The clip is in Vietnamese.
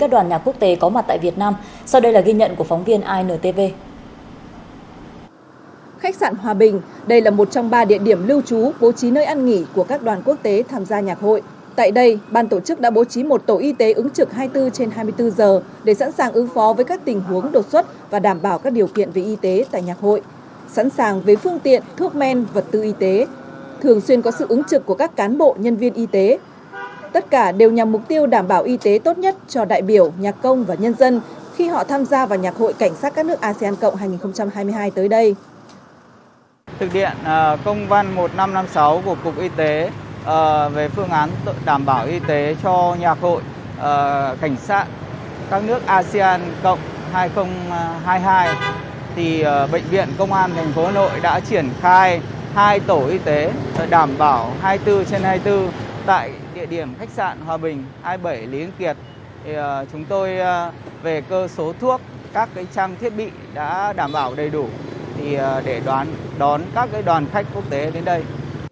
để cơ số thuốc các trang thiết bị đã đảm bảo đầy đủ để đón các đoàn khách quốc tế đến đây